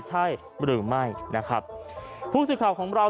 ใช่หรือไม่นะครับผู้สื่อข่าวของเรา